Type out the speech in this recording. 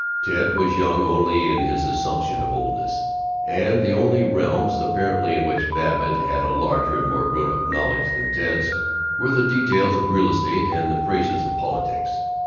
Ted was young only in his assumption of oldness, and the only realms, apparently, in which Babbitt had a larger and more grown up knowledge than Ted's were the details of real estate and the phrases of politics.